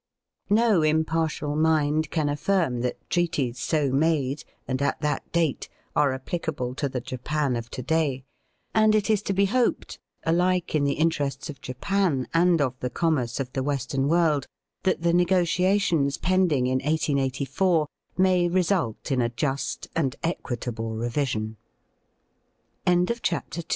No impartial mind can aflSrm that treaties so made and at that date are applicable to the Japan of to day, and it is to be hoped, alike in the interests of Japan and of the commerce of the Western world, that the negotiations pending in 1884 may result in a just and e